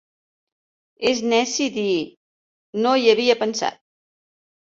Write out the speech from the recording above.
És neci dir: «No hi havia pensat».